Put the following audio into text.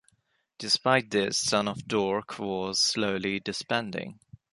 Despite this, Son of Dork was slowly disbanding.